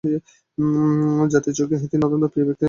জাতির চোখে তিনি অত্যন্ত প্রিয় ব্যক্তিত্ব এবং শ্রদ্ধার পাত্র ছিলেন।